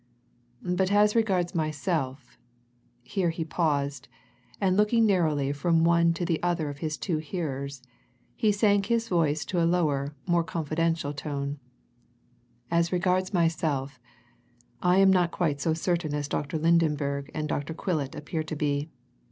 But as regards myself" here he paused, and looking narrowly from one to the other of his two hearers, he sank his voice to a lower, more confidential tone "as regards myself, I am not quite so certain as Dr. Lydenberg and Dr. Quillet appear to be.